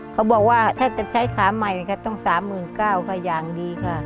เขาบอกว่าถ้าจะใช้ขาใหม่ก็ต้อง๓๙๐๐ค่ะอย่างดีค่ะ